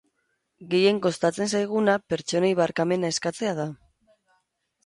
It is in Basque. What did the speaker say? Gehien kostatzen zaiguna pertsonei barkamena eskatzea da.